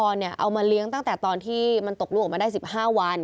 คุณพระพรเนี่ยเอามาเลี้ยงตั้งแต่ตอนที่มันตกลูกออกมาได้๑๕วัน